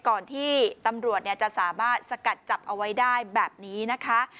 ก่อนที่ตำรวจจะสามารถสกัดจับเอาไว้ได้แบบนี้นะคะ